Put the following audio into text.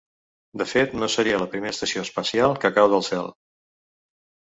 De fet, no seria la primera estació espacial que cau del cel.